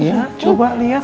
setelah danitya terwahx